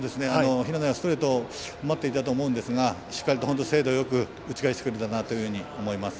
平内はストレートを待っていたと思いますがしっかりと本当に精度よく打ち返してくれたなと思います。